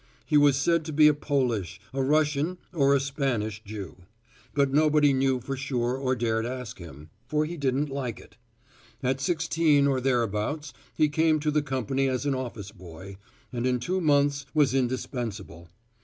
He was said to be a Polish, a Russian or a Spanish Jew, but nobody knew for sure or dared ask him, for he didn't like it. At sixteen or thereabouts, he came to the company as an office boy, and in two months was indispensable.